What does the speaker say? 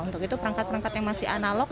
untuk itu perangkat perangkat yang masih analog